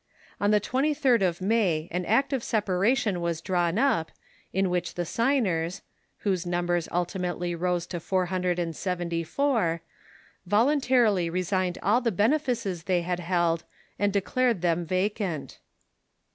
On the 23cl of May an Act of Separation was drawn up, in which the signers — whose numbers ultimately rose to four hundred and seventy four — voluntarily resigned all the benefices they had held and declared them vacant.